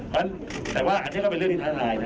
เน่นแต่ว่าอันนี้ก็เป็นเรื่องนิทัลลายนะ